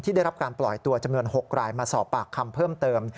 ได้รับการปล่อยตัวจำนวน๖รายมาสอบปากคำเพิ่มเติม